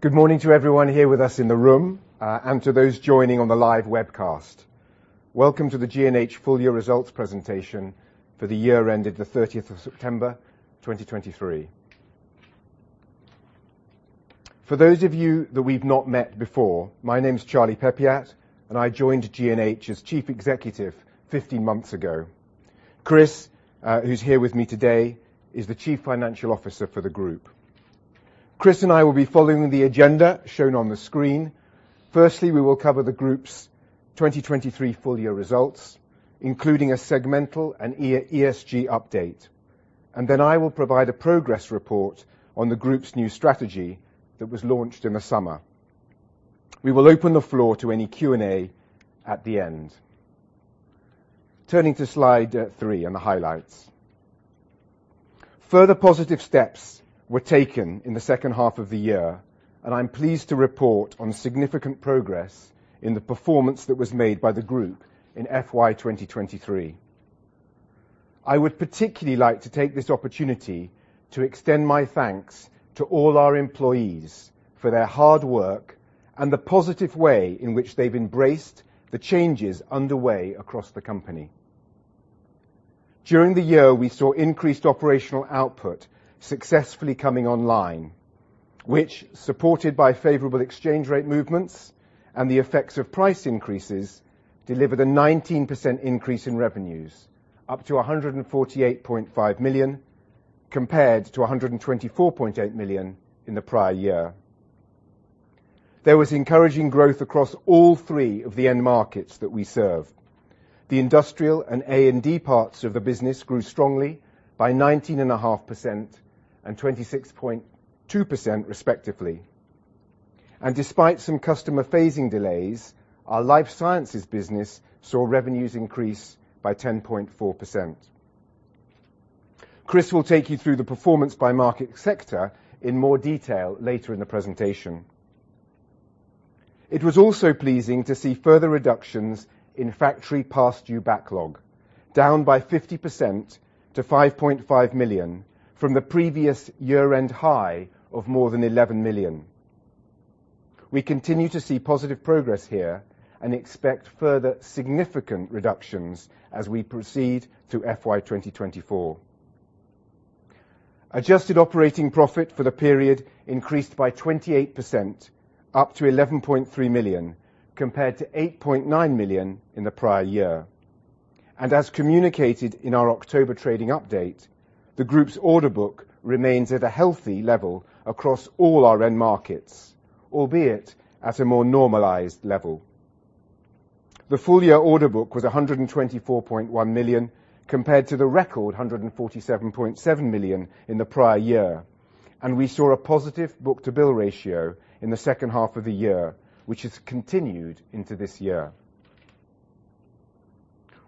Good morning to everyone here with us in the room, and to those joining on the live webcast. Welcome to the G&H full year results presentation for the year ended the 30th of September, 2023. For those of you that we've not met before, my name's Charlie Peppiatt, and I joined G&H as Chief Executive 15 months ago. Chris, who's here with me today, is the Chief Financial Officer for the group. Chris and I will be following the agenda shown on the screen. Firstly, we will cover the group's 2023 full year results, including a segmental and ESG update. I will provide a progress report on the group's new strategy that was launched in the summer. We will open the floor to any Q&A at the end. Turning to slide three and the highlights. Further positive steps were taken in the second half of the year, and I'm pleased to report on significant progress in the performance that was made by the group in FY 2023. I would particularly like to take this opportunity to extend my thanks to all our employees for their hard work and the positive way in which they've embraced the changes underway across the company. During the year, we saw increased operational output successfully coming online, which, supported by favorable exchange rate movements and the effects of price increases, delivered a 19% increase in revenues, up to 148.5 million, compared to 124.8 million in the prior year. There was encouraging growth across all three of the end markets that we serve. The industrial and A&D parts of the business grew strongly by 19.5% and 26.2% respectively. Despite some customer phasing delays, our life sciences business saw revenues increase by 10.4%. Chris will take you through the performance by market sector in more detail later in the presentation. It was also pleasing to see further reductions in factory past due backlog, down by 50% to 5.5 million from the previous year-end high of more than 11 million. We continue to see positive progress here and expect further significant reductions as we proceed through FY 2024. Adjusted operating profit for the period increased by 28%, up to 11.3 million, compared to 8.9 million in the prior year. As communicated in our October trading update, the group's order book remains at a healthy level across all our end markets, albeit at a more normalized level. The full year order book was 124.1 million compared to the record 147.7 million in the prior year, and we saw a positive book-to-bill ratio in the second half of the year, which has continued into this year.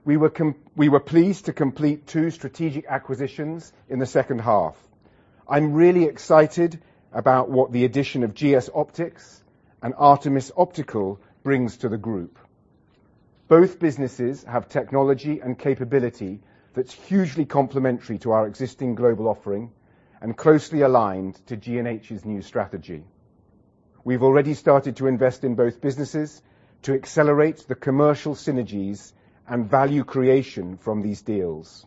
We were pleased to complete two strategic acquisitions in the second half. I'm really excited about what the addition of GS Optics and Artemis Optical brings to the group. Both businesses have technology and capability that's hugely complementary to our existing global offering and closely aligned to G&H's new strategy. We've already started to invest in both businesses to accelerate the commercial synergies and value creation from these deals,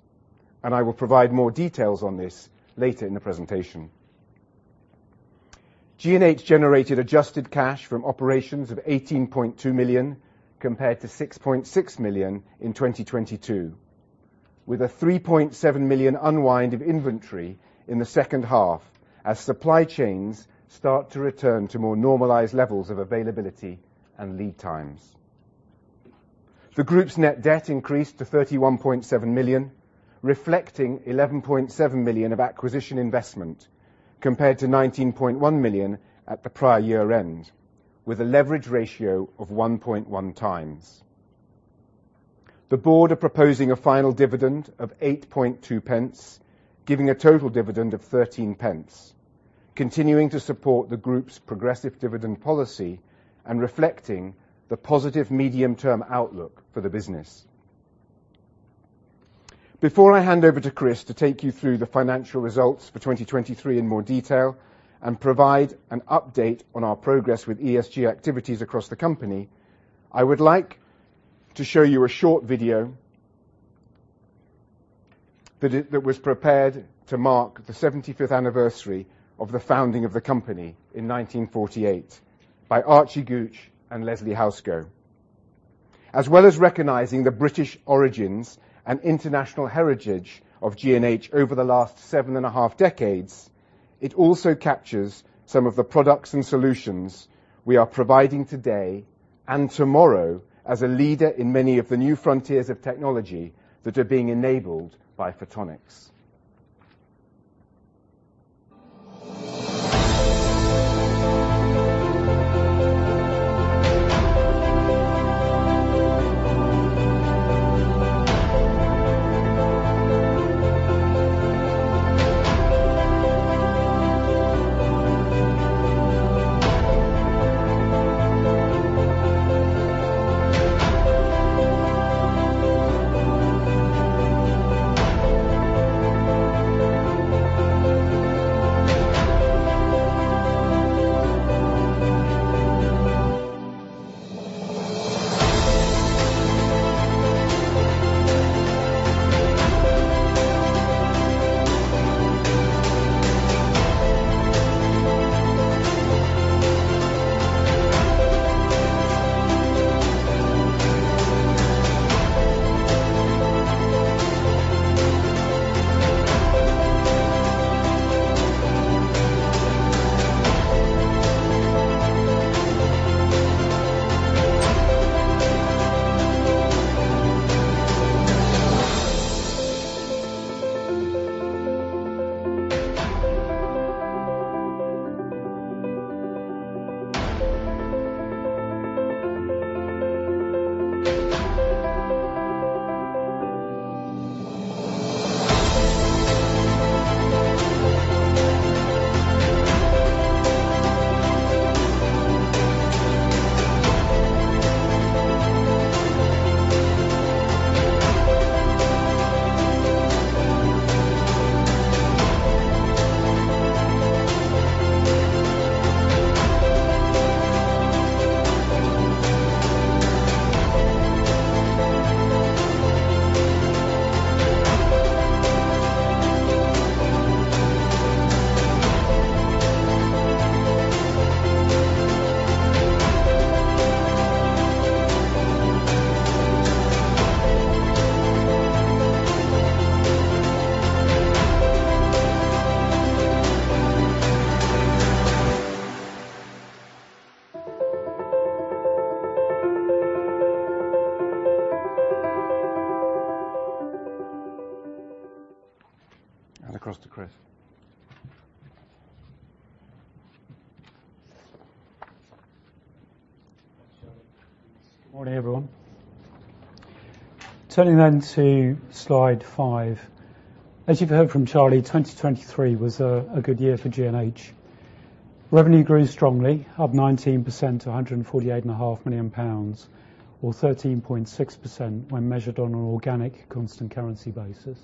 and I will provide more details on this later in the presentation. G&H generated adjusted cash from operations of 18.2 million, compared to 6.6 million in 2022, with a 3.7 million unwind of inventory in the second half as supply chains start to return to more normalized levels of availability and lead times. The group's net debt increased to 31.7 million, reflecting 11.7 million of acquisition investment, compared to 19.1 million at the prior year end, with a leverage ratio of 1.1x. The board are proposing a final dividend of 0.082, giving a total dividend of 0.13, continuing to support the group's progressive dividend policy and reflecting the positive medium term outlook for the business. Before I hand over to Chris to take you through the financial results for 2023 in more detail and provide an update on our progress with ESG activities across the company, I would like to show you a short video that was prepared to mark the 75th anniversary of the founding of the company in 1948 by Archie Gooch and Leslie Housego. As well as recognizing the British origins and international heritage of G&H over the last seven and a half decades, it also captures some of the products and solutions we are providing today and tomorrow as a leader in many of the new frontiers of technology that are being enabled by photonics. Across to Chris. Morning, everyone. Turning then to slide five. As you've heard from Charlie, 2023 was a good year for G&H. Revenue grew strongly, up 19% to 148.5 million pounds, or 13.6% when measured on an organic constant currency basis.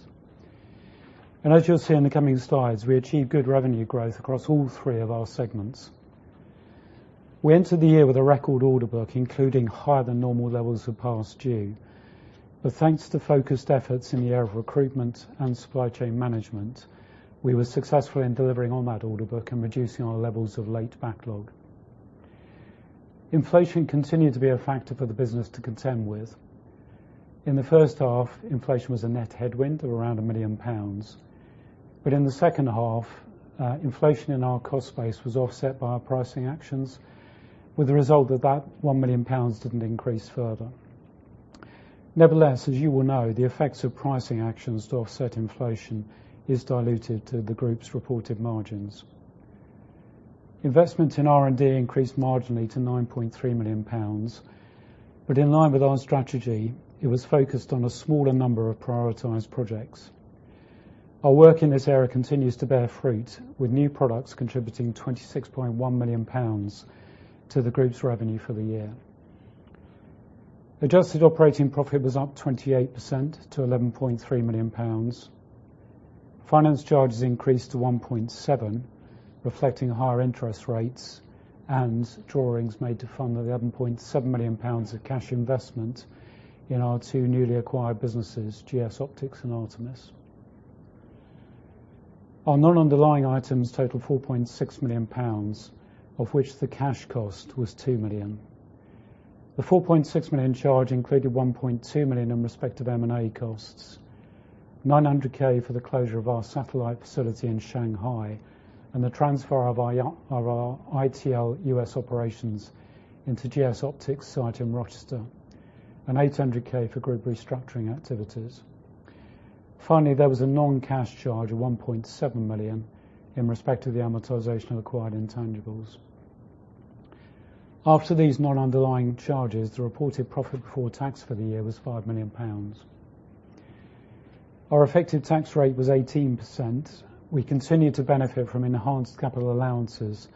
As you'll see in the coming slides, we achieved good revenue growth across all three of our segments. We entered the year with a record order book, including higher than normal levels of past due. Thanks to focused efforts in the area of recruitment and supply chain management, we were successful in delivering on that order book and reducing our levels of late backlog. Inflation continued to be a factor for the business to contend with. In the first half, inflation was a net headwind of around 1 million pounds. In the second half, inflation in our cost base was offset by our pricing actions, with the result that 1 million pounds didn't increase further. Nevertheless, as you well know, the effects of pricing actions to offset inflation is diluted to the group's reported margins. Investment in R&D increased marginally to 9.3 million pounds, but in line with our strategy, it was focused on a smaller number of prioritized projects. Our work in this area continues to bear fruit, with new products contributing 26.1 million pounds to the group's revenue for the year. Adjusted operating profit was up 28% to 11.3 million pounds. Finance charges increased to 1.7 million, reflecting higher interest rates and drawings made to fund the 11.7 million pounds of cash investment in our two newly acquired businesses, GS Optics and Artemis. Our non-underlying items totaled 4.6 million pounds, of which the cash cost was 2 million. The 4.6 million charge included 1.2 million in respective M&A costs, 900K for the closure of our satellite facility in Shanghai, and the transfer of our ITL US operations into GS Optics' site in Rochester, and 800,000 for group restructuring activities. Finally, there was a non-cash charge of 1.7 million in respect to the amortization of acquired intangibles. After these non-underlying charges, the reported profit before tax for the year was 5 million pounds. Our effective tax rate was 18%. We continued to benefit from enhanced capital allowances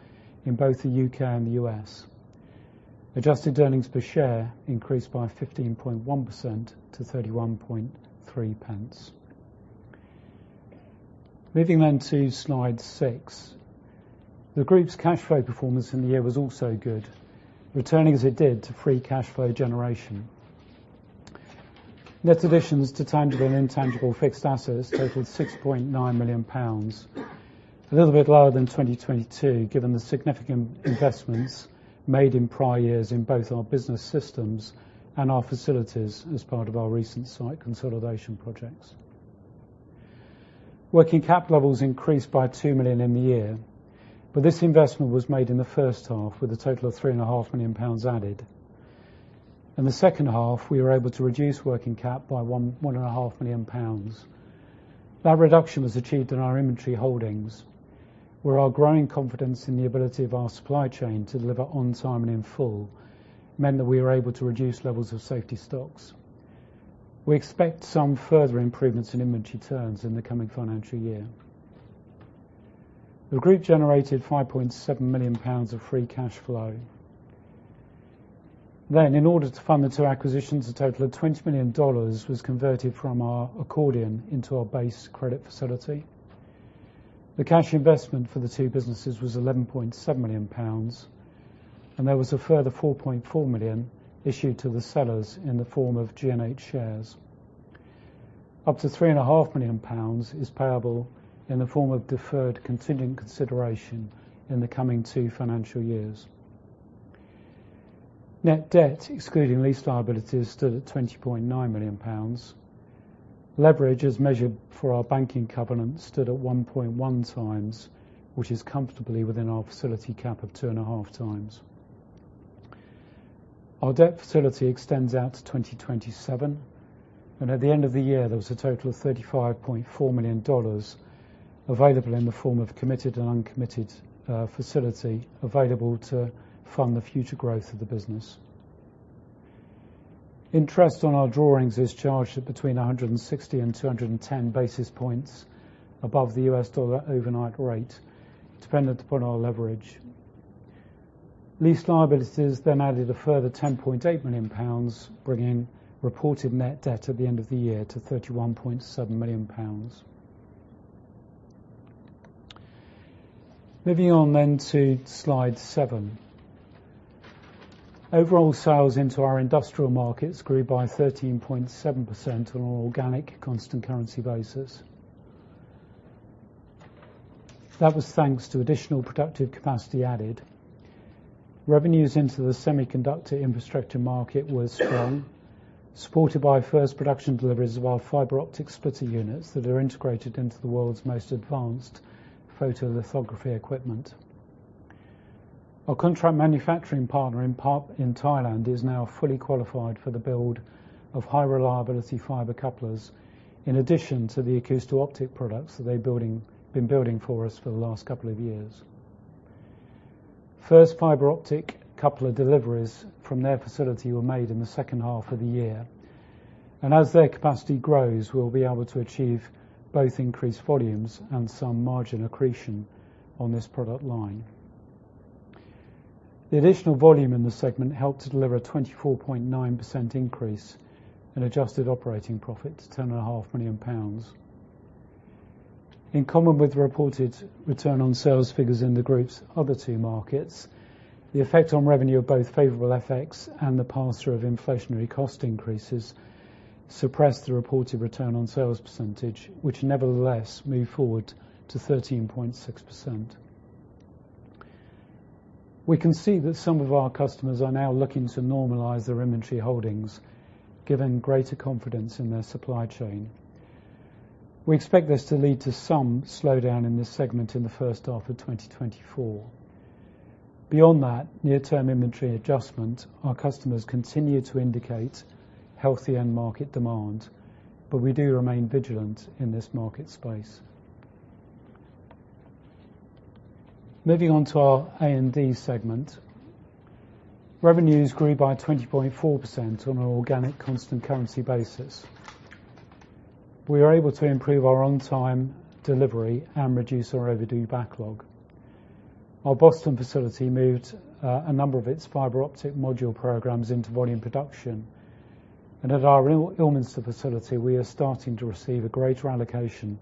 in both the U.K. and the U.S. Adjusted earnings per share increased by 15.1% to 31.3 pence. Moving on to slide six. The group's cash flow performance in the year was also good, returning as it did to free cash flow generation. Net additions to tangible and intangible fixed assets totaled 6.9 million pounds. A little bit lower than 2022, given the significant investments made in prior years in both our business systems and our facilities as part of our recent site consolidation projects. Working capital levels increased by 2 million in the year, but this investment was made in the first half with a total of 3.5 million pounds added. In the second half, we were able to reduce working cap by 1.5 million pounds. That reduction was achieved in our inventory holdings. With our growing confidence in the ability of our supply chain to deliver on time and in full, meant that we were able to reduce levels of safety stocks. We expect some further improvements in inventory turns in the coming financial year. The group generated 5.7 million pounds of free cash flow. In order to fund the two acquisitions, a total of $20 million was converted from our accordion into our base credit facility. The cash investment for the two businesses was 11.7 million pounds, and there was a further 4.4 million issued to the sellers in the form of G&H shares. Up to 3.5 million pounds is payable in the form of deferred continuing consideration in the coming two financial years. Net debt, excluding lease liabilities, stood at 20.9 million pounds. Leverage as measured for our banking covenant stood at 1.1x, which is comfortably within our facility cap of 2.5x. Our debt facility extends out to 2027, and at the end of the year, there was a total of $35.4 million available in the form of committed and uncommitted facility available to fund the future growth of the business. Interest on our drawings is charged at between 160 and 210 basis points above the US dollar overnight rate, dependent upon our leverage. Lease liabilities then added a further 10.8 million pounds, bringing reported net debt at the end of the year to 31.7 million pounds. Moving on to slide seven. Overall sales into our industrial markets grew by 13.7% on an organic constant currency basis. That was thanks to additional productive capacity added. Revenues into the semiconductor infrastructure market was strong, supported by first production deliveries of our fiber optic splitter units that are integrated into the world's most advanced photolithography equipment. Our contract manufacturing partner in Thailand is now fully qualified for the build of high reliability fiber couplers in addition to the acousto-optic products that they've been building for us for the last couple of years. First fiber optic coupler deliveries from their facility were made in the second half of the year. As their capacity grows, we'll be able to achieve both increased volumes and some margin accretion on this product line. The additional volume in this segment helped to deliver a 24.9% increase in adjusted operating profit to 10.5 million pounds. In common with reported return on sales figures in the group's other two markets, the effect on revenue of both favorable FX and the pass-through of inflationary cost increases suppressed the reported return on sales percentage, which nevertheless moved forward to 13.6%. We can see that some of our customers are now looking to normalize their inventory holdings, given greater confidence in their supply chain. We expect this to lead to some slowdown in this segment in the first half of 2024. Beyond that near-term inventory adjustment, our customers continue to indicate healthy end market demand, but we do remain vigilant in this market space. Moving on to our A&D segment. Revenues grew by 20.4% on an organic constant currency basis. We were able to improve our on-time delivery and reduce our overdue backlog. Our Boston facility moved a number of its fiber optic module programs into volume production. At our Ilminster facility, we are starting to receive a greater allocation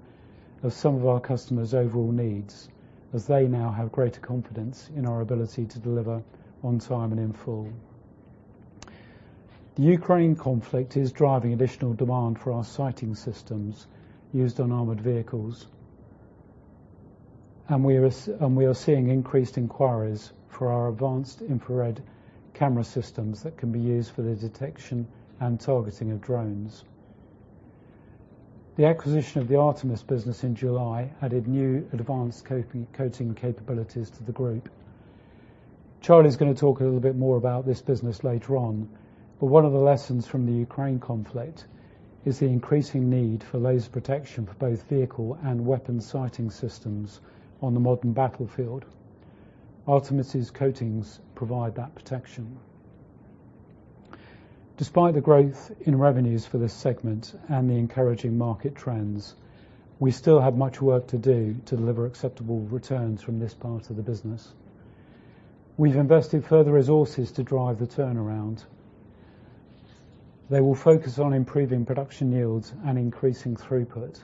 of some of our customers' overall needs as they now have greater confidence in our ability to deliver on time and in full. The Ukraine conflict is driving additional demand for our sighting systems used on armored vehicles. We are seeing increased inquiries for our advanced infrared camera systems that can be used for the detection and targeting of drones. The acquisition of the Artemis business in July added new advanced coating capabilities to the group. Charlie's gonna talk a little bit more about this business later on, but one of the lessons from the Ukraine conflict is the increasing need for laser protection for both vehicle and weapon sighting systems on the modern battlefield. Artemis' coatings provide that protection. Despite the growth in revenues for this segment and the encouraging market trends, we still have much work to do to deliver acceptable returns from this part of the business. We've invested further resources to drive the turnaround. They will focus on improving production yields and increasing throughput.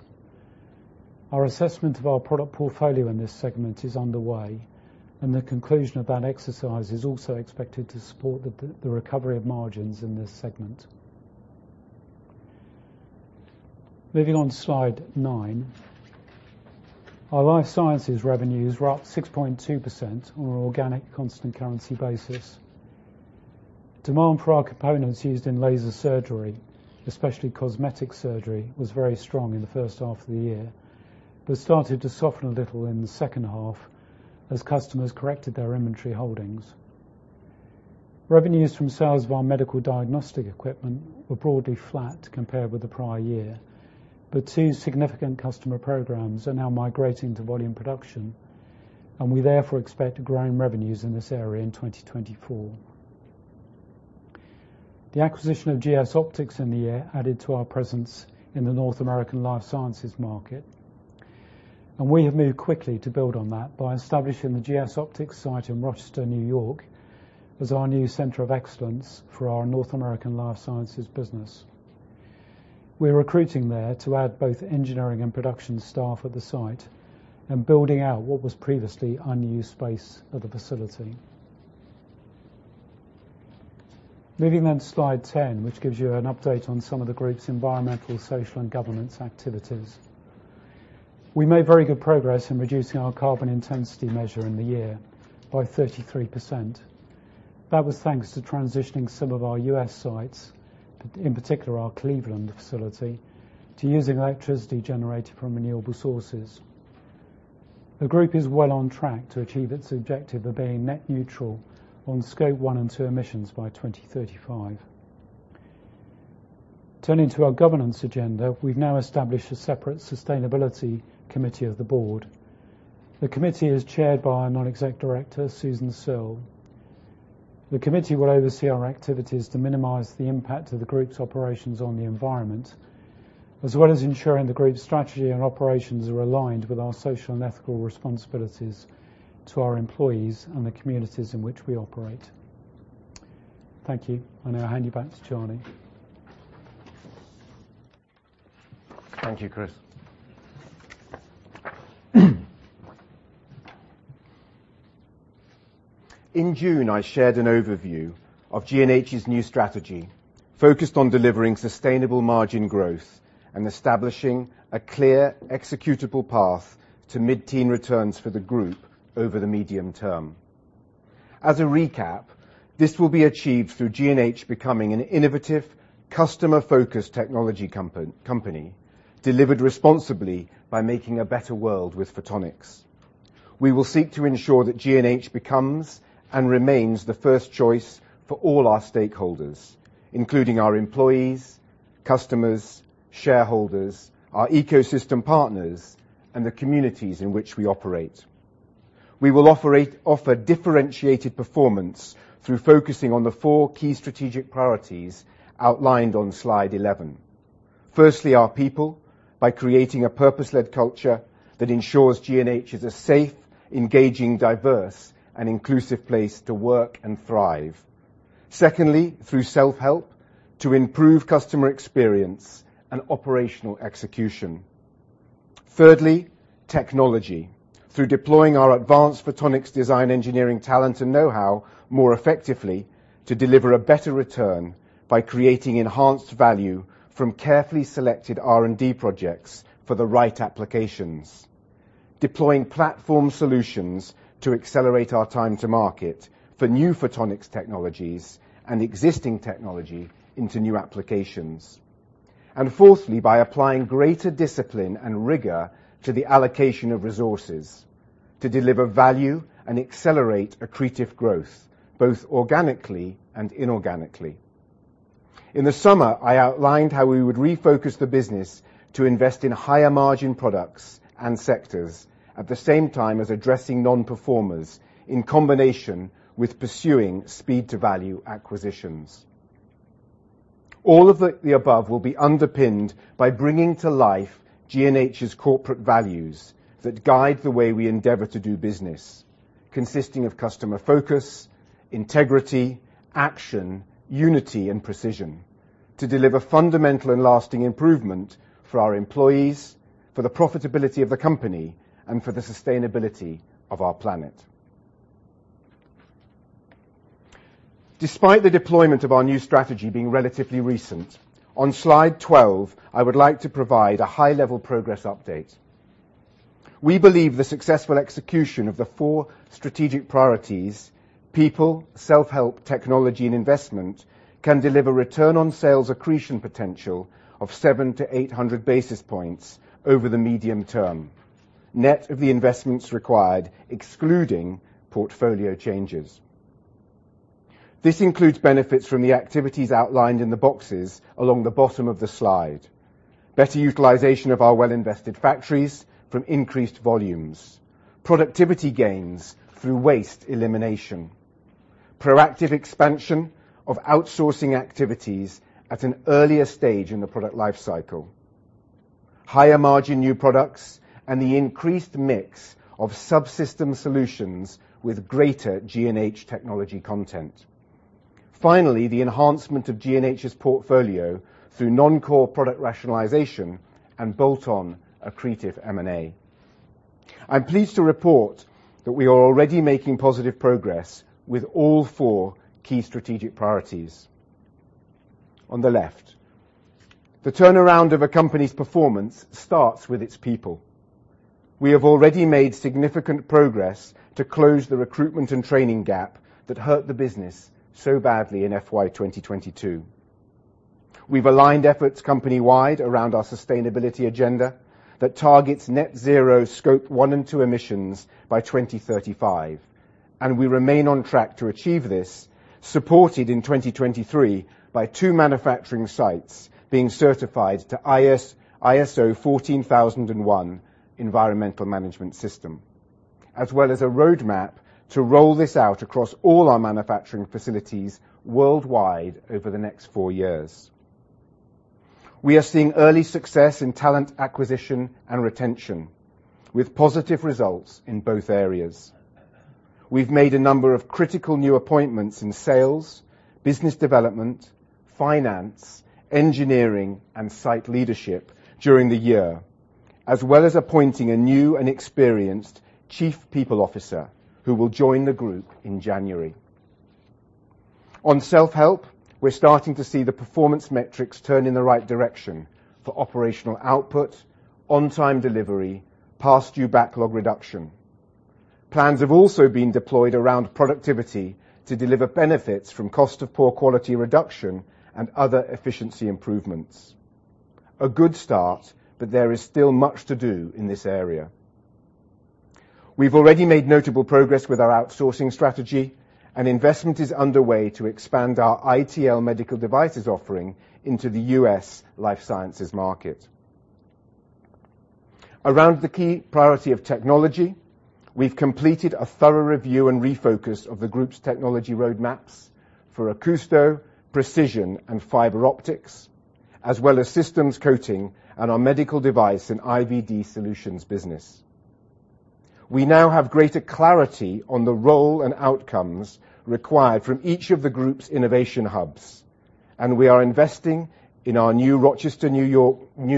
Our assessment of our product portfolio in this segment is underway, and the conclusion of that exercise is also expected to support the recovery of margins in this segment. Moving on to slide nine. Our life sciences revenues were up 6.2% on an organic constant currency basis. Demand for our components used in laser surgery, especially cosmetic surgery, was very strong in the first half of the year, but started to soften a little in the second half as customers corrected their inventory holdings. Revenues from sales of our medical diagnostic equipment were broadly flat compared with the prior year. Two significant customer programs are now migrating to volume production, and we therefore expect growing revenues in this area in 2024. The acquisition of GS Optics in the year added to our presence in the North American life sciences market. We have moved quickly to build on that by establishing the GS Optics site in Rochester, New York, as our new center of excellence for our North American life sciences business. We're recruiting there to add both engineering and production staff at the site and building out what was previously unused space at the facility. Moving on to slide 10, which gives you an update on some of the group's environmental, social, and governance activities. We made very good progress in reducing our carbon intensity measure in the year by 33%. That was thanks to transitioning some of our U.S. sites, in particular our Cleveland facility, to using electricity generated from renewable sources. The group is well on track to achieve its objective of being net neutral on Scope 1 and 2 emissions by 2035. Turning to our governance agenda, we've now established a separate sustainability committee of the board. The committee is chaired by our non-exec director, Susan Searle. The committee will oversee our activities to minimize the impact of the group's operations on the environment, as well as ensuring the group's strategy and operations are aligned with our social and ethical responsibilities to our employees and the communities in which we operate. Thank you. I now hand you back to Charlie. Thank you, Chris. In June, I shared an overview of G&H's new strategy focused on delivering sustainable margin growth and establishing a clear executable path to mid-teen returns for the group over the medium term. As a recap, this will be achieved through G&H becoming an innovative, customer-focused technology company, delivered responsibly by making a better world with photonics. We will seek to ensure that G&H becomes and remains the first choice for all our stakeholders, including our employees, customers, shareholders, our ecosystem partners, and the communities in which we operate. We will offer differentiated performance through focusing on the four key strategic priorities outlined on slide 11. Firstly, our people, by creating a purpose-led culture that ensures G&H is a safe, engaging, diverse, and inclusive place to work and thrive. Secondly, through self-help to improve customer experience and operational execution. Thirdly, technology, through deploying our advanced photonics design engineering talent and know-how more effectively to deliver a better return by creating enhanced value from carefully selected R&D projects for the right applications. Deploying platform solutions to accelerate our time to market for new photonics technologies and existing technology into new applications. Fourthly, by applying greater discipline and rigor to the allocation of resources to deliver value and accelerate accretive growth, both organically and inorganically. In the summer, I outlined how we would refocus the business to invest in higher margin products and sectors at the same time as addressing non-performers, in combination with pursuing speed to value acquisitions. All of the above will be underpinned by bringing to life G&H's corporate values that guide the way we endeavor to do business, consisting of customer focus, integrity, action, unity, and precision, to deliver fundamental and lasting improvement for our employees, for the profitability of the company, and for the sustainability of our planet. Despite the deployment of our new strategy being relatively recent, on slide 12, I would like to provide a high-level progress update. We believe the successful execution of the four strategic priorities, people, self-help, technology, and investment, can deliver return on sales accretion potential of 700 to 800 basis points over the medium term, net of the investments required, excluding portfolio changes. This includes benefits from the activities outlined in the boxes along the bottom of the slide. Better utilization of our well-invested factories from increased volumes, productivity gains through waste elimination, proactive expansion of outsourcing activities at an earlier stage in the product life cycle, higher margin new products, and the increased mix of subsystem solutions with greater G&H technology content. Finally, the enhancement of G&H's portfolio through non-core product rationalization and bolt-on accretive M&A. I'm pleased to report that we are already making positive progress with all four key strategic priorities. On the left, the turnaround of a company's performance starts with its people. We have already made significant progress to close the recruitment and training gap that hurt the business so badly in FY 2022. We've aligned efforts company-wide around our sustainability agenda that targets net zero Scope 1 and 2 emissions by 2035, and we remain on track to achieve this, supported in 2023 by two manufacturing sites being certified to ISO 14001 environmental management system. As well as a roadmap to roll this out across all our manufacturing facilities worldwide over the next four years. We are seeing early success in talent acquisition and retention, with positive results in both areas. We've made a number of critical new appointments in sales, business development, finance, engineering, and site leadership during the year, as well as appointing a new and experienced chief people officer who will join the group in January. On self-help, we're starting to see the performance metrics turn in the right direction for operational output, on-time delivery, past due backlog reduction. Plans have also been deployed around productivity to deliver benefits from cost of poor quality reduction and other efficiency improvements. A good start, but there is still much to do in this area. We've already made notable progress with our outsourcing strategy, and investment is underway to expand our ITL medical devices offering into the US life sciences market. Around the key priority of technology, we've completed a thorough review and refocus of the group's technology roadmaps for acousto, precision, and fiber optics, as well as systems coating and our medical device and IVD solutions business. We now have greater clarity on the role and outcomes required from each of the group's innovation hubs, and we are investing in our new Rochester, New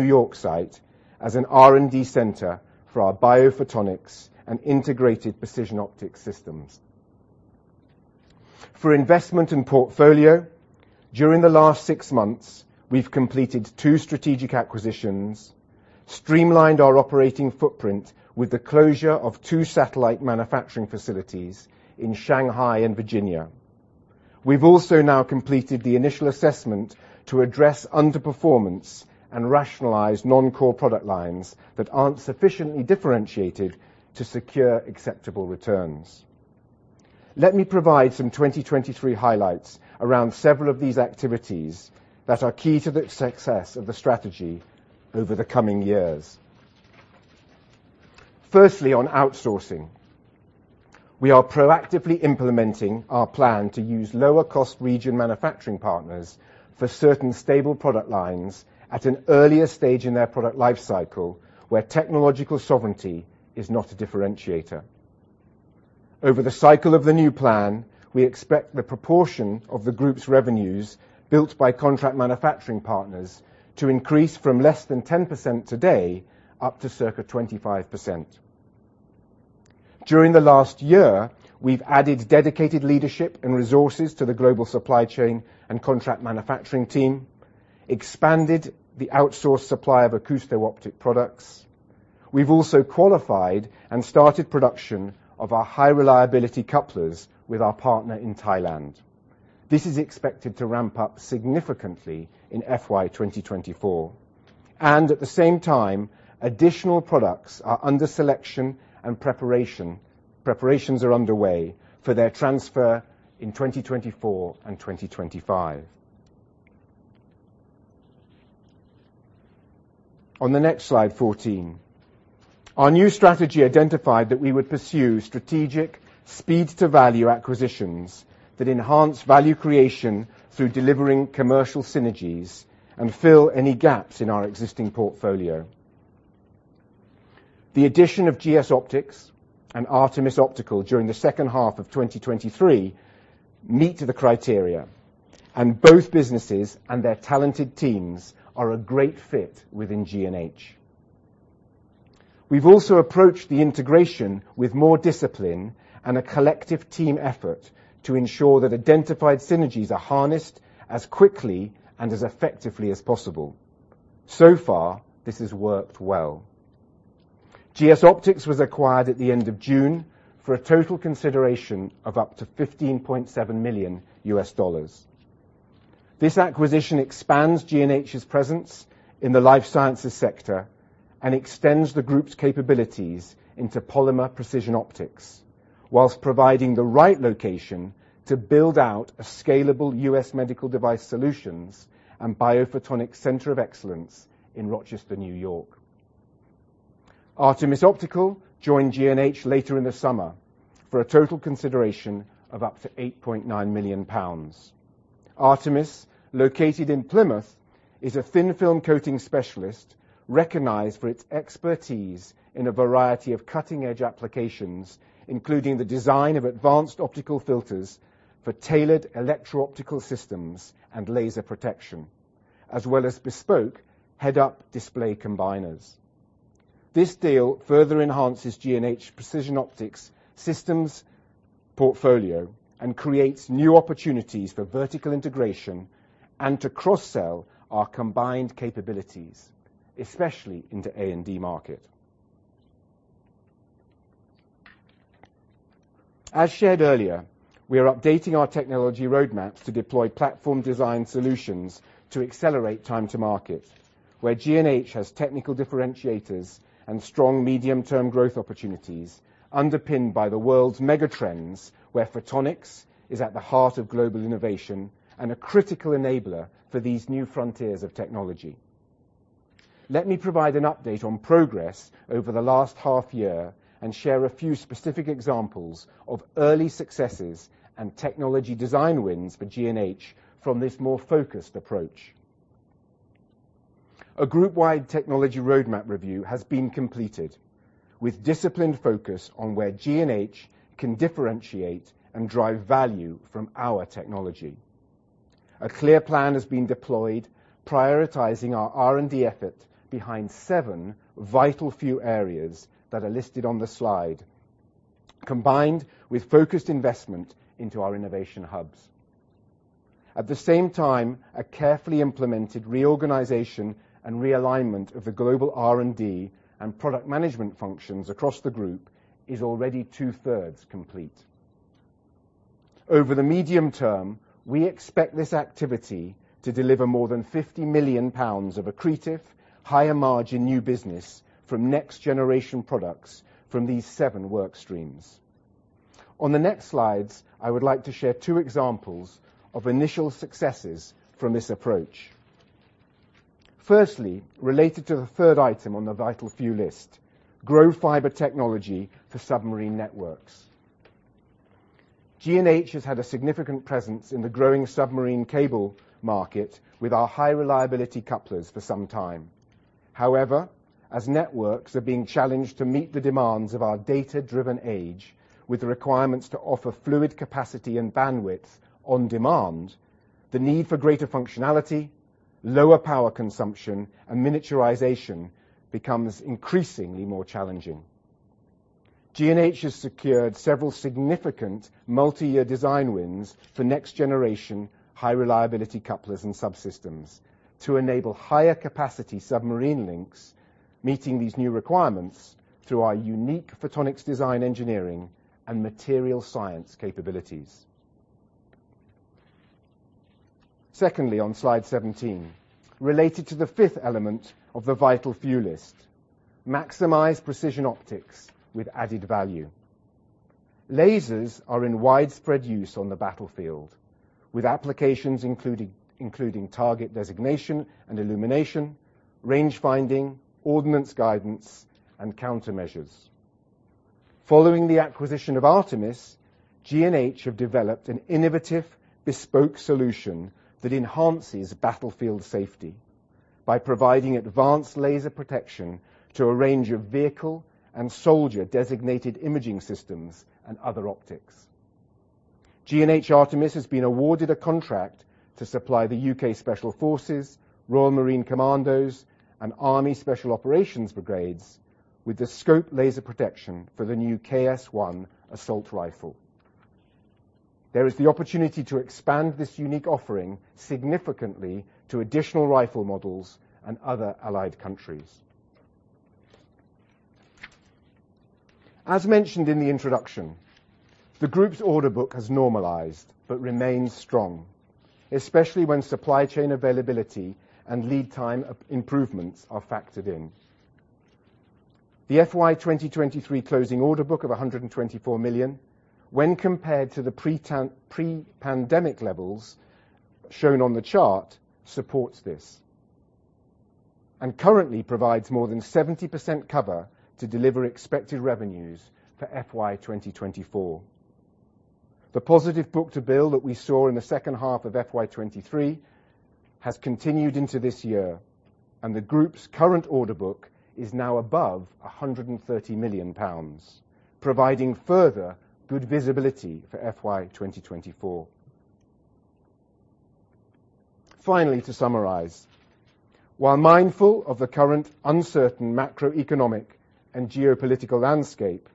York site as an R&D center for our biophotonics and integrated precision optics systems. For investment in portfolio, during the last six months, we've completed two strategic acquisitions, streamlined our operating footprint with the closure of two satellite manufacturing facilities in Shanghai and Virginia. We've also now completed the initial assessment to address underperformance and rationalize non-core product lines that aren't sufficiently differentiated to secure acceptable returns. Let me provide some 2023 highlights around several of these activities that are key to the success of the strategy over the coming years. Firstly, on outsourcing, we are proactively implementing our plan to use lower cost region manufacturing partners for certain stable product lines at an earlier stage in their product life cycle, where technological sovereignty is not a differentiator. Over the cycle of the new plan, we expect the proportion of the group's revenues built by contract manufacturing partners to increase from less than 10% today up to circa 25%. During the last year, we've added dedicated leadership and resources to the global supply chain and contract manufacturing team, expanded the outsourced supply of acousto-optic products. We've also qualified and started production of our high reliability couplers with our partner in Thailand. This is expected to ramp up significantly in FY 2024, and at the same time, additional products are under selection and preparation. Preparations are underway for their transfer in 2024 and 2025. On the next slide, 14. Our new strategy identified that we would pursue strategic speed to value acquisitions that enhance value creation through delivering commercial synergies and fill any gaps in our existing portfolio. The addition of GS Optics and Artemis Optical during the second half of 2023 meet the criteria, and both businesses and their talented teams are a great fit within G&H. We've also approached the integration with more discipline and a collective team effort to ensure that identified synergies are harnessed as quickly and as effectively as possible. So far, this has worked well. GS Optics was acquired at the end of June for a total consideration of up to $15.7 million. This acquisition expands G&H's presence in the life sciences sector and extends the group's capabilities into polymer precision optics while providing the right location to build out a scalable US medical device solutions and biophotonic center of excellence in Rochester, New York. Artemis Optical joined G&H later in the summer for a total consideration of up to 8.9 million pounds. Artemis, located in Plymouth, is a thin film coating specialist recognized for its expertise in a variety of cutting-edge applications, including the design of advanced optical filters for tailored electro-optical systems and laser protection, as well as bespoke head-up display combiners. This deal further enhances G&H precision optics systems portfolio and creates new opportunities for vertical integration and to cross-sell our combined capabilities, especially into A&D market. As shared earlier, we are updating our technology roadmaps to deploy platform design solutions to accelerate time to market, where G&H has technical differentiators and strong medium-term growth opportunities underpinned by the world's mega trends, where photonics is at the heart of global innovation and a critical enabler for these new frontiers of technology. Let me provide an update on progress over the last half year and share a few specific examples of early successes and technology design wins for G&H from this more focused approach. A group-wide technology roadmap review has been completed with disciplined focus on where G&H can differentiate and drive value from our technology. A clear plan has been deployed prioritizing our R&D effort behind seven vital few areas that are listed on the slide, combined with focused investment into our innovation hubs. At the same time, a carefully implemented reorganization and realignment of the global R&D and product management functions across the group is already two-thirds complete. Over the medium term, we expect this activity to deliver more than 50 million pounds of accretive, higher margin new business from next generation products from these seven work streams. On the next slides, I would like to share two examples of initial successes from this approach. Firstly, related to the third item on the vital few list, grow fiber technology for submarine networks. G&H has had a significant presence in the growing submarine cable market with our high reliability couplers for some time. However, as networks are being challenged to meet the demands of our data-driven age, with the requirements to offer fluid capacity and bandwidth on demand, the need for greater functionality, lower power consumption, and miniaturization becomes increasingly more challenging. G&H has secured several significant multiyear design wins for next generation high reliability couplers and subsystems to enable higher capacity submarine links, meeting these new requirements through our unique photonics design engineering, and material science capabilities. Secondly, on slide 17, related to the fifth element of the vital few list, maximize precision optics with added value. Lasers are in widespread use on the battlefield, with applications including target designation and illumination, range finding, ordnance guidance, and countermeasures. Following the acquisition of Artemis, G&H have developed an innovative bespoke solution that enhances battlefield safety by providing advanced laser protection to a range of vehicle and soldier designated imaging systems and other optics. G&H | Artemis has been awarded a contract to supply the UK Special Forces, Royal Marine Commandos, and Army Special Operations brigades with the scope laser protection for the new KS1 assault rifle. There is the opportunity to expand this unique offering significantly to additional rifle models and other allied countries. As mentioned in the introduction, the group's order book has normalized but remains strong, especially when supply chain availability and lead time improvements are factored in. The FY 2023 closing order book of 124 million, when compared to the pre-pandemic levels shown on the chart, supports this, and currently provides more than 70% cover to deliver expected revenues for FY 2024. The positive book-to-bill that we saw in the second half of FY 2023 has continued into this year, and the group's current order book is now above 130 million pounds, providing further good visibility for FY 2024. Finally, to summarize, while mindful of the current uncertain macroeconomic and geopolitical landscape,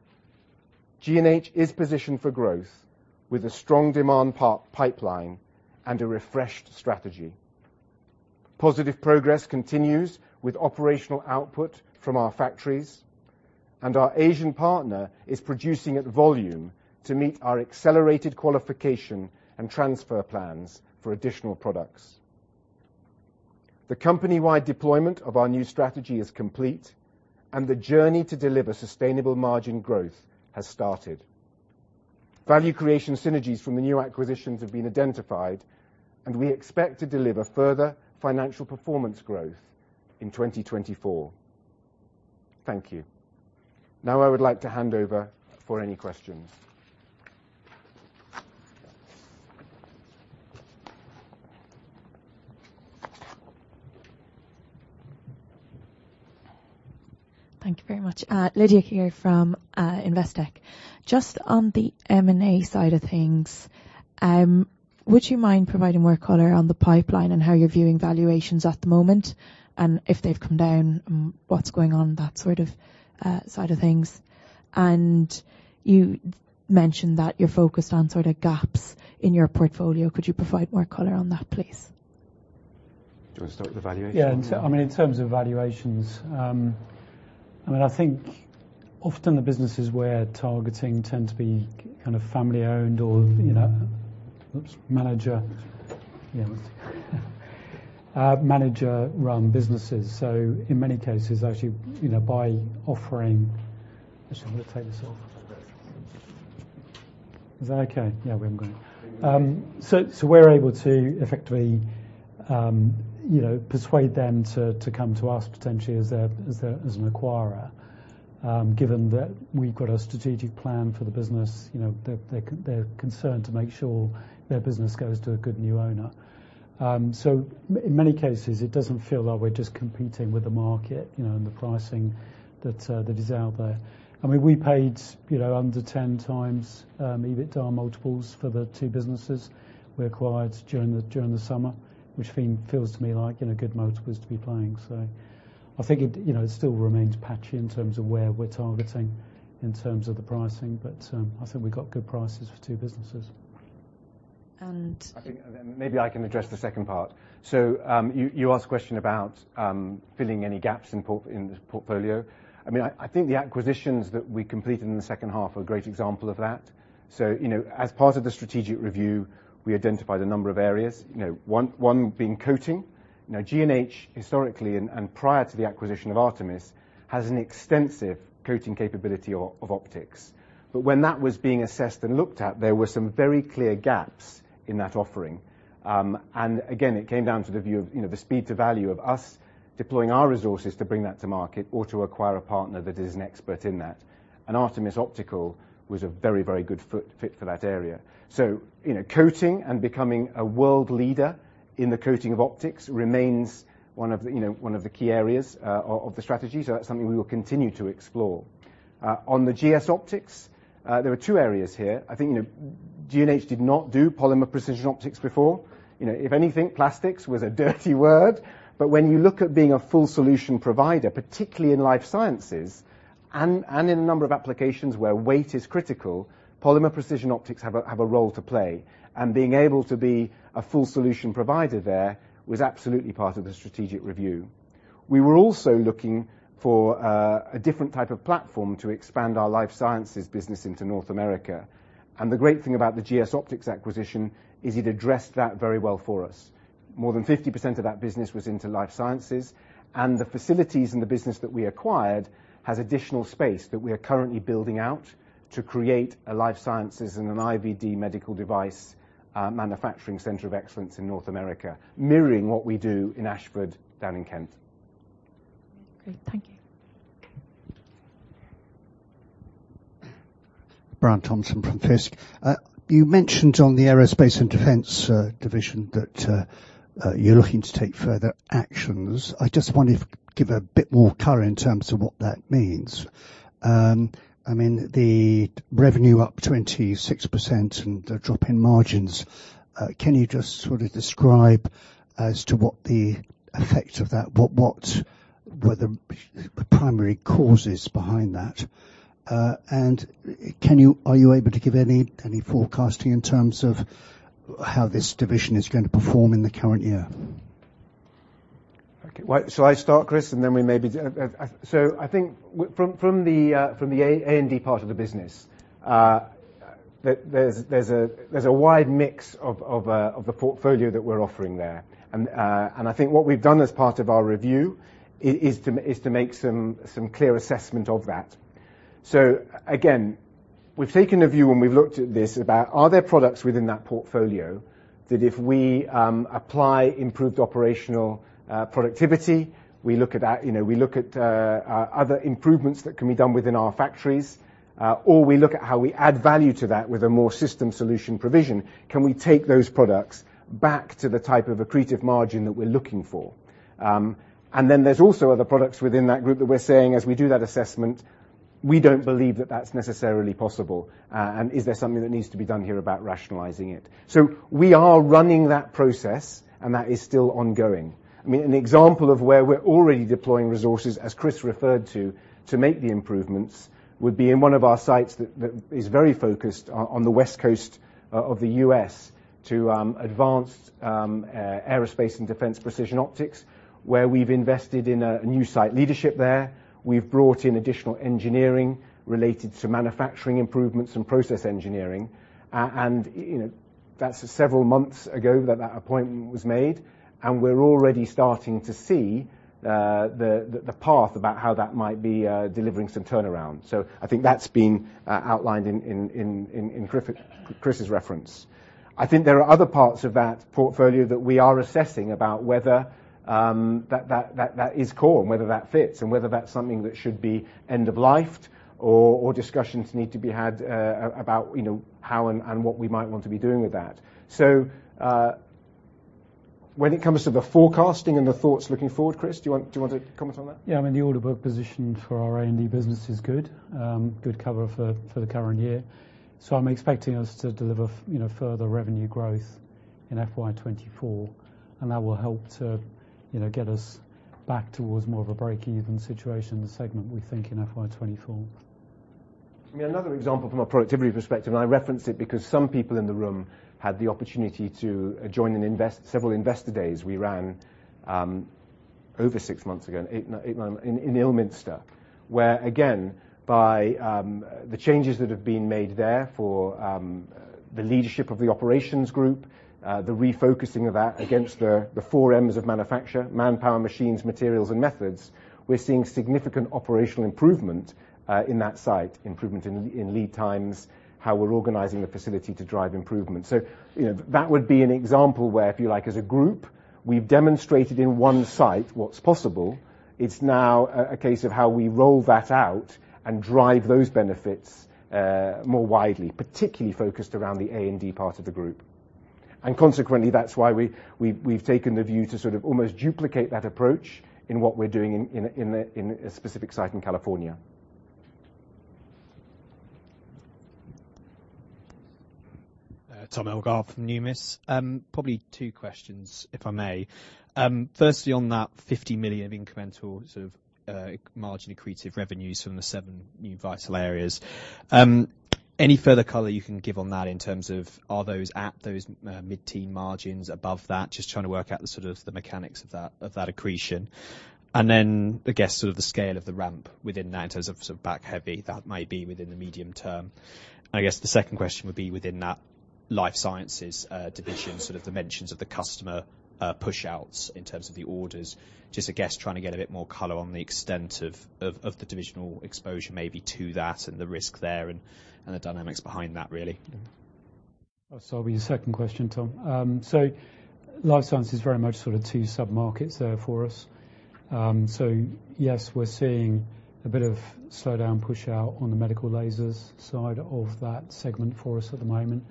G&H is positioned for growth with a strong demand pipeline and a refreshed strategy. Positive progress continues with operational output from our factories, and our Asian partner is producing at volume to meet our accelerated qualification and transfer plans for additional products. The company-wide deployment of our new strategy is complete, and the journey to deliver sustainable margin growth has started. Value creation synergies from the new acquisitions have been identified, and we expect to deliver further financial performance growth in 2024. Thank you. Now I would like to hand over for any questions. Thank you very much. Lydia here from Investec. Just on the M&A side of things, would you mind providing more color on the pipeline and how you're viewing valuations at the moment? If they've come down, what's going on, that sort of side of things. You mentioned that you're focused on sort of gaps in your portfolio. Could you provide more color on that, please? Do you wanna start with the valuation? Yeah. I mean, in terms of valuations, I mean, I think often the businesses we're targeting tend to be kind of family-owned or, you know, manager-run businesses. In many cases, actually, you know, Actually, I'm gonna take this off. Is that okay? Yeah, we're going. We're able to effectively, you know, persuade them to come to us potentially as an acquirer, given that we've got a strategic plan for the business. You know, they're concerned to make sure their business goes to a good new owner. In many cases, it doesn't feel like we're just competing with the market, you know, and the pricing that is out there. I mean, we paid, you know, under 10 times EBITDA multiples for the two businesses we acquired during the summer, which feels to me like, you know, good multiples to be paying. I think it, you know, still remains patchy in terms of where we're targeting in terms of the pricing, but, I think we got good prices for two businesses. And- I think, and then maybe I can address the second part. You asked a question about filling any gaps in the portfolio. I mean, I think the acquisitions that we completed in the second half are a great example of that. You know, as part of the strategic review, we identified a number of areas, you know, one being coating. You know, G&H historically and prior to the acquisition of Artemis has an extensive coating capability of optics. But when that was being assessed and looked at, there were some very clear gaps in that offering. It came down to the view of, you know, the speed to value of us deploying our resources to bring that to market or to acquire a partner that is an expert in that. Artemis Optical was a very, very good fit for that area. You know, coating and becoming a world leader in the coating of optics remains one of the, you know, one of the key areas of the strategy, so that's something we will continue to explore. On the GS Optics, there are two areas here. I think, you know, G&H did not do polymer precision optics before. You know, if anything, plastics was a dirty word. When you look at being a full solution provider, particularly in life sciences and in a number of applications where weight is critical, polymer precision optics have a role to play. Being able to be a full solution provider there was absolutely part of the strategic review. We were also looking for a different type of platform to expand our life sciences business into North America. The great thing about the GS Optics acquisition is it addressed that very well for us. More than 50% of that business was into life sciences, and the facilities in the business that we acquired has additional space that we are currently building out to create a life sciences and an IVD medical device manufacturing center of excellence in North America, mirroring what we do in Ashford down in Kent. Great. Thank you. Okay. Brian Thomlinson from Fiske. You mentioned on the Aerospace & Defense division that you're looking to take further actions. I just wonder if you could give a bit more color in terms of what that means. I mean, the revenue up 26% and the drop in margins, can you just sort of describe as to what the effect of that, what were the primary causes behind that? Are you able to give any forecasting in terms of how this division is going to perform in the current year? Okay. Shall I start, Chris, and then we maybe so I think from the A&D part of the business, there is a wide mix of the portfolio that we're offering there. I think what we've done as part of our review is to make some clear assessment of that. Again, we've taken a view when we've looked at this about are there products within that portfolio that if we apply improved operational productivity, we look at you know other improvements that can be done within our factories, or we look at how we add value to that with a more system solution provision, can we take those products back to the type of accretive margin that we're looking for? Then there's also other products within that group that we're saying as we do that assessment, we don't believe that that's necessarily possible, and is there something that needs to be done here about rationalizing it? We are running that process, and that is still ongoing. I mean, an example of where we're already deploying resources, as Chris referred to make the improvements, would be in one of our sites that is very focused on the West Coast of the U.S. to advanced aerospace and defense precision optics, where we've invested in a new site leadership there. We've brought in additional engineering related to manufacturing improvements and process engineering. And, you know, that's several months ago that the appointment was made, and we're already starting to see the path about how that might be delivering some turnaround. I think that's been outlined in Chris' reference. I think there are other parts of that portfolio that we are assessing about whether that is core and whether that fits and whether that's something that should be end of lifed or discussions need to be had about you know how and what we might want to be doing with that. When it comes to the forecasting and the thoughts looking forward, Chris, do you want to comment on that? Yeah. I mean, the order book position for our A&D business is good cover for the current year. I'm expecting us to deliver, you know, further revenue growth in FY 2024, and that will help to, you know, get us back towards more of a break-even situation in the segment, we think, in FY 2024. I mean, another example from a productivity perspective, and I reference it because some people in the room had the opportunity to join in investor days we ran over six months ago, eight in Ilminster, where again, by the changes that have been made there for the leadership of the operations group, the refocusing of that against the four M's of manufacture, manpower, machines, materials and methods. We're seeing significant operational improvement in that site, improvement in lead times, how we're organizing the facility to drive improvement. You know, that would be an example where if you like, as a group, we've demonstrated in one site what's possible. It's now a case of how we roll that out and drive those benefits more widely, particularly focused around the A&D part of the group. Consequently, that's why we've taken the view to sort of almost duplicate that approach in what we're doing in a specific site in California. Tom Elgar from Numis. Probably two questions, if I may. Firstly on that 50 million incremental sort of margin accretive revenues from the seven new verticals. Any further color you can give on that in terms of are those at those mid-teen margins above that? Just trying to work out the sort of mechanics of that accretion. I guess sort of the scale of the ramp within that in terms of sort of back-heavy that might be within the medium term. I guess the second question would be within that Life Sciences division, sort of dimensions of the customer pushouts in terms of the orders. Just, I guess, trying to get a bit more color on the extent of the divisional exposure maybe to that and the risk there and the dynamics behind that, really. I'll start with your second question, Tom. Life science is very much sort of two sub-markets there for us. Yes, we're seeing a bit of slowdown push out on the medical lasers side of that segment for us at the moment.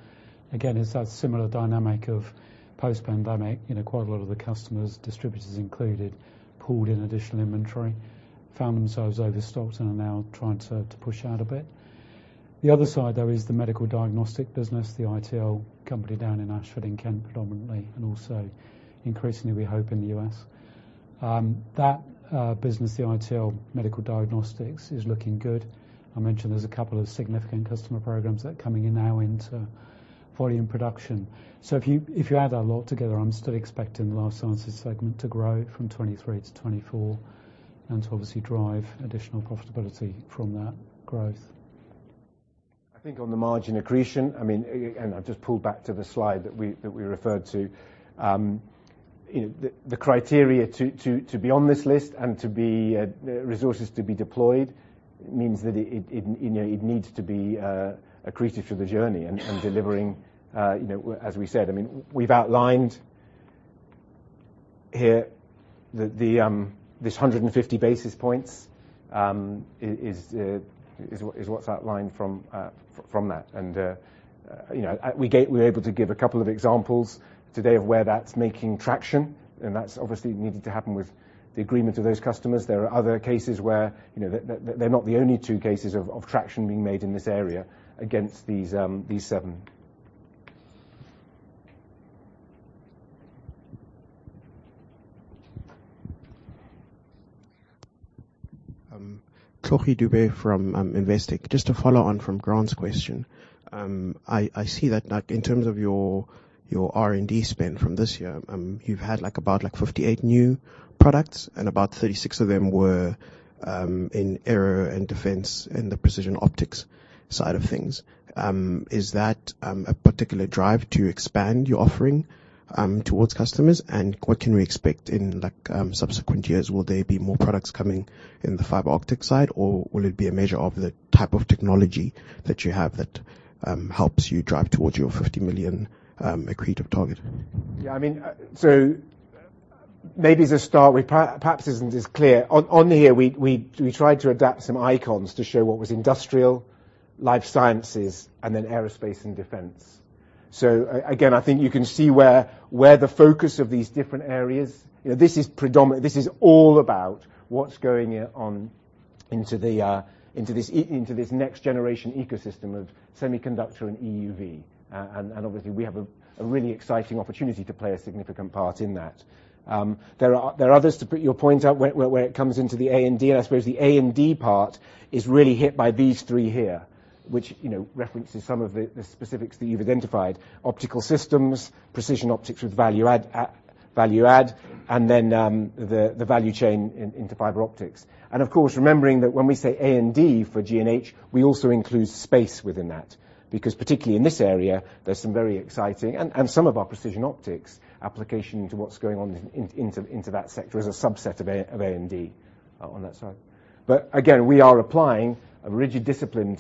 Again, it's that similar dynamic of post-pandemic, you know, quite a lot of the customers, distributors included, pulled in additional inventory, found themselves overstocked and are now trying to push out a bit. The other side, though, is the medical diagnostic business, the ITL company down in Ashford in Kent, predominantly, and also increasingly, we hope in the U.S. That business, the ITL medical diagnostics is looking good. I mentioned there's a couple of significant customer programs that are coming in now into volume production. If you add that all together, I'm still expecting the life sciences segment to grow from 2023 to 2024, and to obviously drive additional profitability from that growth. I think on the margin accretion, I mean, and I'll just pull back to the slide that we referred to. You know the criteria to be on this list and to be resources to be deployed means that it you know it needs to be accretive to the journey and delivering you know as we said. I mean, we've outlined here this 150 basis points is what's outlined from that. You know, we were able to give a couple of examples today of where that's making traction, and that's obviously needed to happen with the agreement of those customers. There are other cases where you know they're not the only two cases of traction being made in this area against these seven. Thibault Dube from Investec. Just to follow on from Grant's question, I see that like in terms of your R&D spend from this year, you've had like about 58 new products and about 36 of them were in aero and defense in the precision optics side of things. Is that a particular drive to expand your offering towards customers? What can we expect in like subsequent years? Will there be more products coming in the fiber optic side? Or will it be a measure of the type of technology that you have that helps you drive towards your 50 million accretive target? Yeah, I mean, maybe as a start, we perhaps isn't as clear. On here, we tried to adapt some icons to show what was industrial, life sciences, and then aerospace and defense. Again, I think you can see where the focus of these different areas. You know, this is all about what's going on into this next generation ecosystem of semiconductor and EUV. And obviously, we have a really exciting opportunity to play a significant part in that. There are others to put your points out where it comes into the A&D, and I suppose the A&D part is really hit by these three here, which, you know, references some of the specifics that you've identified, optical systems, precision optics with value add, and then the value chain into fiber optics. Of course, remembering that when we say A&D for G&H, we also include space within that, because particularly in this area, there's some very exciting, and some of our precision optics application into what's going on into that sector as a subset of A&D on that side. Again, we are applying a rigid discipline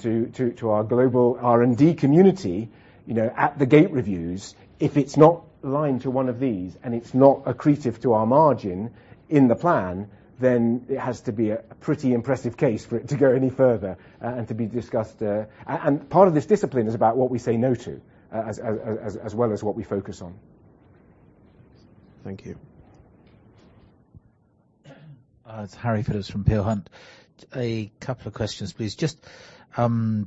to our global R&D community, you know, at the gate reviews. If it's not aligned to one of these and it's not accretive to our margin in the plan, then it has to be a pretty impressive case for it to go any further and to be discussed. Part of this discipline is about what we say no to as well as what we focus on. Thank you. It's Harry Phillips from Peel Hunt. A couple of questions, please. Just going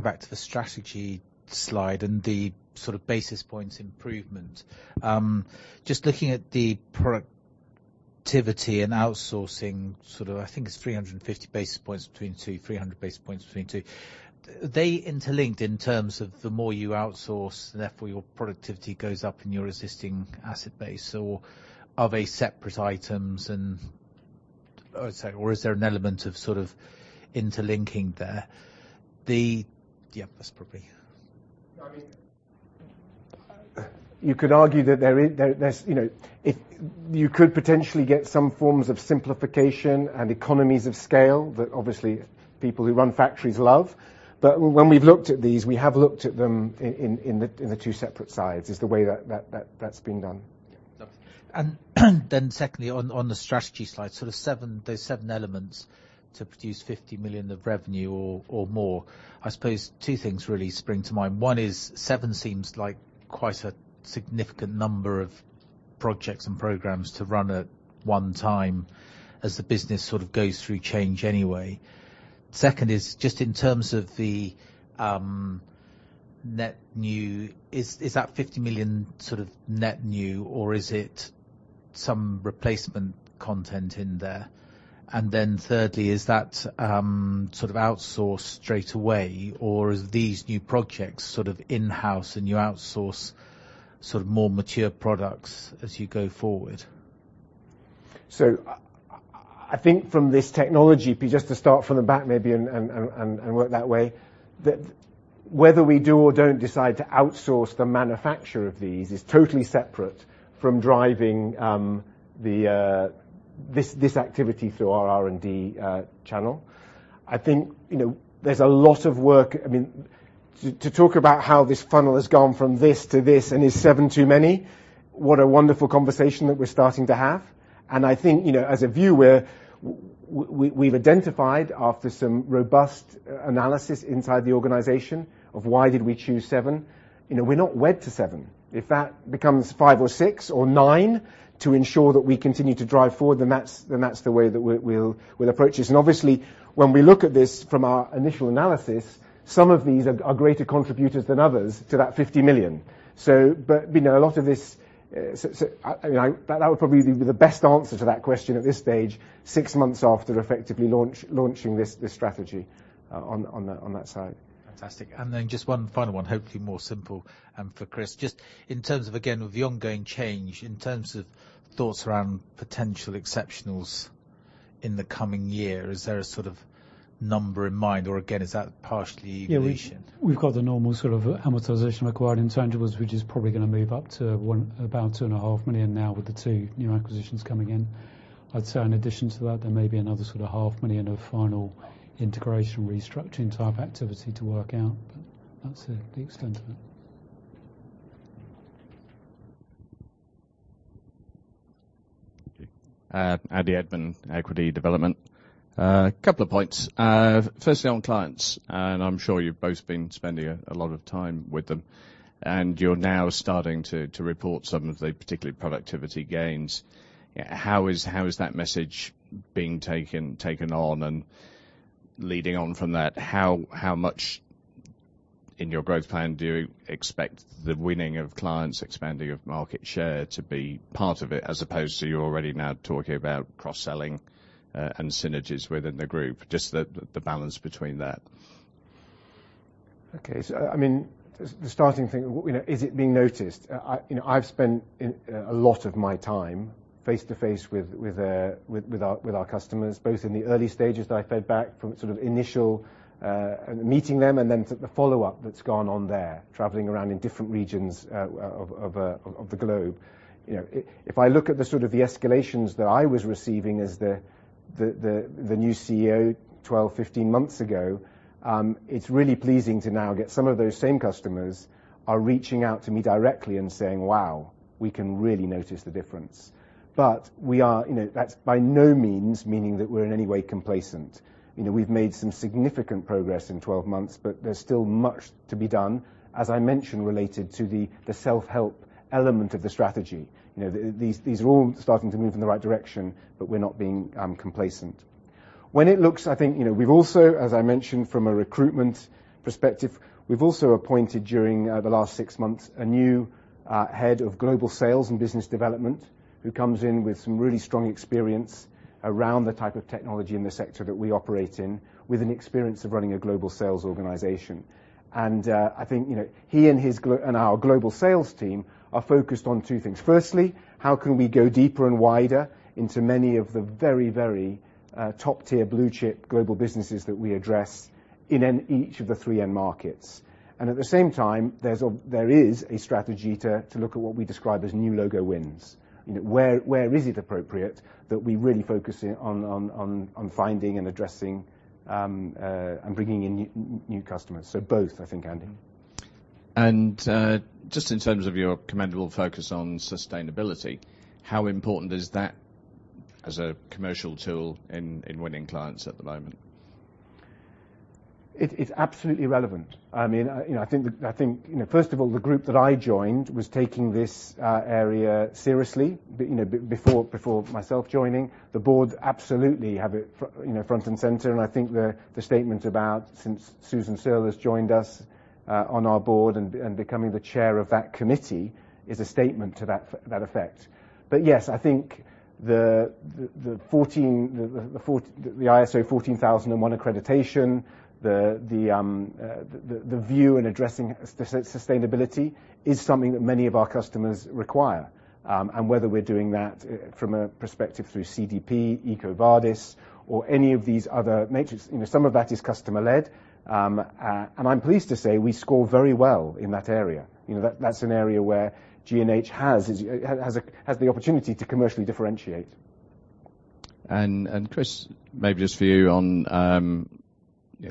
back to the strategy slide and the sort of basis points improvement. Just looking at the productivity and outsourcing, sort of I think it's 350 basis points between two, 300 basis points between two. Are they interlinked in terms of the more you outsource, therefore your productivity goes up in your existing asset base or are they separate items and I would say, or is there an element of sort of interlinking there? Yeah, that's probably. I mean, you could argue that there's, you know, it. You could potentially get some forms of simplification and economies of scale that obviously people who run factories love. But when we've looked at these, we have looked at them in the two separate sides, is the way that's being done. Yeah. Secondly, on the strategy slide, sort of seven, those seven elements to produce 50 million of revenue or more. I suppose two things really spring to mind. One is seven seems like quite a significant number of projects and programs to run at one time as the business sort of goes through change anyway. Second is just in terms of the net new, is that 50 million sort of net new, or is it some replacement content in there? Thirdly, is that sort of outsourced straight away, or is these new projects sort of in-house and you outsource sort of more mature products as you go forward? I think from this technology, just to start from the back maybe and work that way, that whether we do or don't decide to outsource the manufacture of these is totally separate from driving this activity through our R&D channel. I think, you know, there's a lot of work. I mean, to talk about how this funnel has gone from this to this and is seven too many, what a wonderful conversation that we're starting to have. I think, you know, as a viewer, we've identified after some robust analysis inside the organization of why did we choose seven. You know, we're not wed to seven. If that becomes five or six or nine to ensure that we continue to drive forward, then that's the way that we'll approach this. Obviously, when we look at this from our initial analysis, some of these are greater contributors than others to that 50 million. But, you know, a lot of this. That would probably be the best answer to that question at this stage, six months after effectively launching this strategy, on that side. Fantastic. Just one final one, hopefully more simple, for Chris. Just in terms of, again, with the ongoing change, in terms of thoughts around potential exceptionals in the coming year, is there a sort of number in mind or again, is that partially inflation? Yeah, we've got the normal sort of amortization required intangibles, which is probably gonna move up to about 2.5 million now with the two new acquisitions coming in. I'd say in addition to that, there may be another sort of 0.5 million of final integration restructuring type activity to work out. That's it, the extent of it. Okay. Andy Edmond, Equity Development. A couple of points. Firstly, on clients, and I'm sure you've both been spending a lot of time with them, and you're now starting to report some of the particular productivity gains. How is that message being taken on? Leading on from that, how much in your growth plan do you expect the winning of clients, expanding of market share to be part of it, as opposed to you're already now talking about cross-selling, and synergies within the group? Just the balance between that. I mean, the starting thing, you know, is it being noticed? You know, I've spent a lot of my time face-to-face with our customers, both in the early stages that I feedback from sort of initial meeting them and then follow-up that's gone on there, traveling around in different regions of the globe. You know, if I look at the sort of escalations that I was receiving as the new CEO 12 to 15 months ago, it's really pleasing to now get some of those same customers are reaching out to me directly and saying, "Wow, we can really notice the difference." We are, you know, that's by no means meaning that we're in any way complacent. You know, we've made some significant progress in 12 months, but there's still much to be done, as I mentioned, related to the self-help element of the strategy. You know, these are all starting to move in the right direction, but we're not being complacent. When it looks, I think, you know, we've also, as I mentioned from a recruitment perspective, we've also appointed during the last 6 months, a new head of global sales and business development who comes in with some really strong experience around the type of technology in the sector that we operate in, with an experience of running a global sales organization. I think, you know, he and our global sales team are focused on two things. Firstly, how can we go deeper and wider into many of the very top-tier blue chip global businesses that we address in each of the three end markets? At the same time, there is a strategy to look at what we describe as new logo wins. You know, where is it appropriate that we really focus it on finding and addressing, and bringing in new customers. Both, I think, Andy. Just in terms of your commendable focus on sustainability, how important is that as a commercial tool in winning clients at the moment? It's absolutely relevant. I mean, you know, I think first of all, the group that I joined was taking this area seriously. You know, before myself joining, the board absolutely have it front and center. I think the statement about since Susan Searle has joined us on our board and becoming the chair of that committee is a statement to that effect. Yes, I think the ISO 14001 accreditation, the move in addressing sustainability is something that many of our customers require. And whether we're doing that from a perspective through CDP, EcoVadis, or any of these other metrics. You know, some of that is customer-led. I'm pleased to say we score very well in that area. You know, that's an area where G&H has the opportunity to commercially differentiate. Chris, maybe just for you on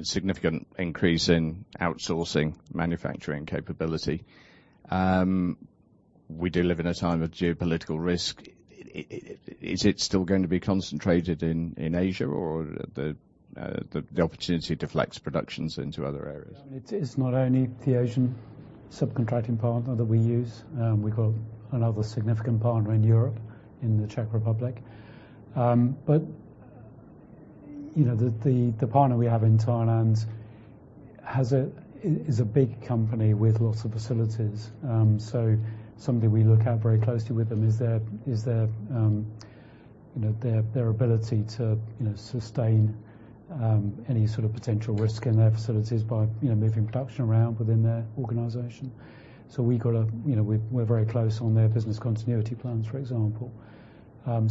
significant increase in outsourcing manufacturing capability. We do live in a time of geopolitical risk. Is it still going to be concentrated in Asia or the opportunity to flex productions into other areas? It's not only the Asian subcontracting partner that we use. We've got another significant partner in Europe, in the Czech Republic. You know, the partner we have in Thailand is a big company with lots of facilities. Something we look at very closely with them is their you know, their ability to you know, sustain any sort of potential risk in their facilities by you know, moving production around within their organization. We've got you know, we're very close on their business continuity plans, for example.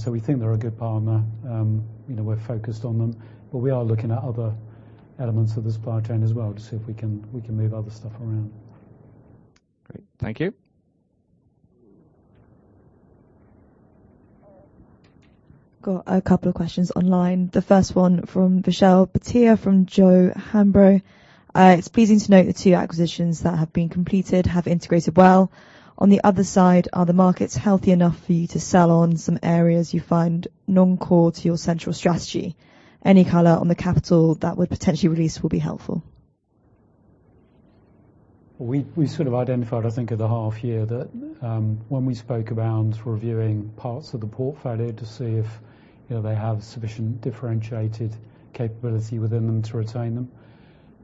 We think they're a good partner. You know, we're focused on them, but we are looking at other elements of the supply chain as well to see if we can move other stuff around. Great. Thank you. Got a couple of questions online. The first one from Michelle Pathia, from J O Hambro Capital Management. It's pleasing to note the two acquisitions that have been completed have integrated well. On the other side, are the markets healthy enough for you to sell on some areas you find non-core to your central strategy? Any color on the capital that would potentially release would be helpful. We sort of identified, I think at the half year that, when we spoke around reviewing parts of the portfolio to see if, you know, they have sufficient differentiated capability within them to retain them.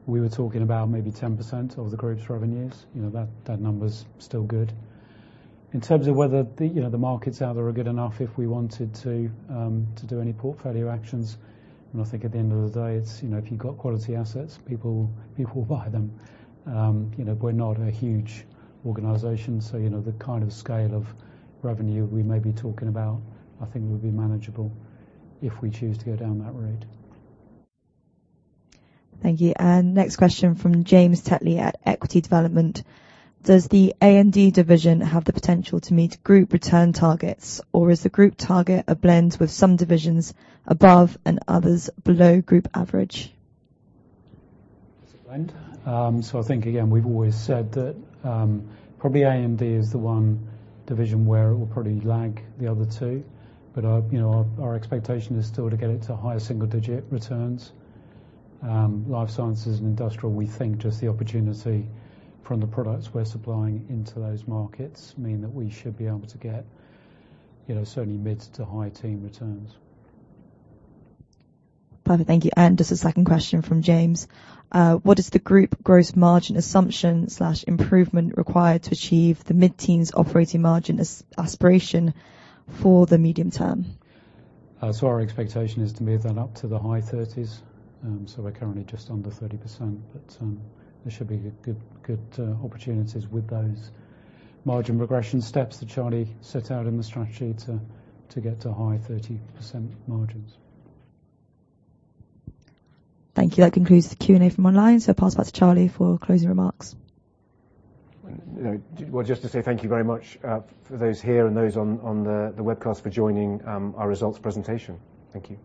We were talking about maybe 10% of the group's revenues. You know, that number is still good. In terms of whether the, you know, the markets out there are good enough if we wanted to do any portfolio actions, and I think at the end of the day, it's, you know, if you've got quality assets, people will buy them. You know, we're not a huge organization, so, you know, the kind of scale of revenue we may be talking about, I think would be manageable if we choose to go down that route. Thank you. Next question from James Tetley at Equity Development. Does the A&D division have the potential to meet group return targets, or is the group target a blend with some divisions above and others below group average? It's a blend. I think, again, we've always said that, probably A&D is the one division where it will probably lag the other two. You know, our expectation is still to get it to high single digit returns. Life sciences and industrial, we think just the opportunity from the products we're supplying into those markets mean that we should be able to get, you know, certainly mid to high teen returns. Perfect. Thank you. Just a second question from James. What is the group gross margin assumption/improvement required to achieve the mid-teens operating margin aspiration for the medium term? Our expectation is to move that up to the high 30s. We're currently just under 30%, but there should be good opportunities with those margin progression steps that Charlie set out in the strategy to get to high 30% margins. Thank you. That concludes the Q&A from online. Pass back to Charlie for closing remarks. Well, just to say thank you very much for those here and those on the webcast for joining our results presentation. Thank you.